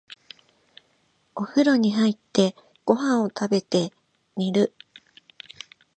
お風呂に入って、ご飯を食べて、寝る。